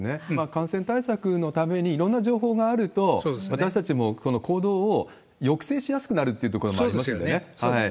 感染対策のために、いろんな情報があると、私たちも行動を抑制しやすくなるってところもありますよね。